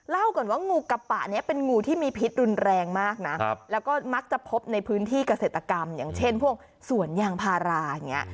ก่อนว่างูกระปะนี้เป็นงูที่มีพิษรุนแรงมากนะแล้วก็มักจะพบในพื้นที่เกษตรกรรมอย่างเช่นพวกสวนยางพาราอย่างนี้